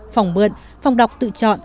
phòng mượn phòng đọc tự cho